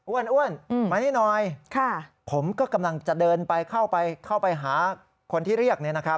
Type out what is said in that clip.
อ้วนมานี่หน่อยผมก็กำลังจะเดินไปเข้าไปหาคนที่เรียก